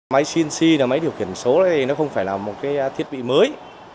máy cnc là máy điều kiện số nó không phải là một cái thiết bị mới